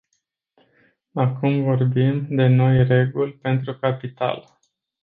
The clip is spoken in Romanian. Acum vorbim de noi reguli pentru capital.